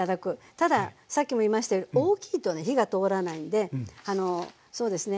たださっきも言いましたが大きいとね火が通らないんでそうですね